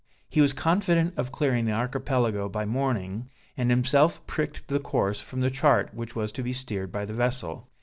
He was confident of clearing the Archipelago by morning, and himself pricked the course from the chart which was to be steered by the vessel.